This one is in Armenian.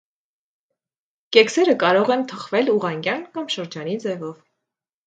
Կեքսերը կարող են թխվել ուղղանկյան կամ շրջանի ձևով։